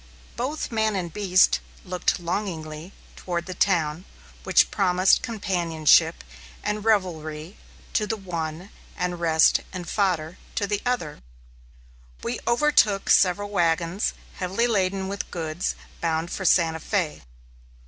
Both man and beast looked longingly toward the town, which promised companionship and revelry to the one, and rest and fodder to the other. We overtook similar wagons, heavily laden with goods bound for Santa Fé.